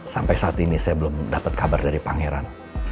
sampai saat ini saya belum dapat kabar dari pangeran